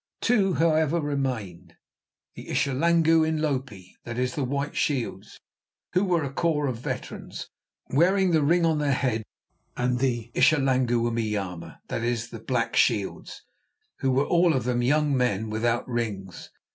Two, however, remained—the Ischlangu Inhlope, that is the "White Shields," who were a corps of veterans wearing the ring on their heads, and the Ischlangu Umnyama, that is the "Black Shields," who were all of them young men without rings.